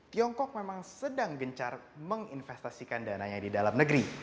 tiongkok memang sedang gencar menginvestasikan dananya di dalam negeri